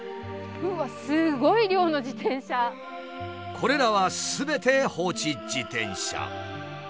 これらはすべて放置自転車。